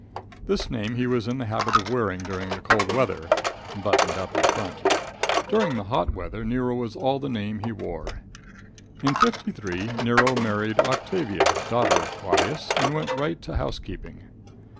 This name he was in the habit of wearing during the cold weather, buttoned up in front. During the hot weather, Nero was all the name he wore. In 53, Nero married Octavia, daughter of Claudius, and went right to housekeeping.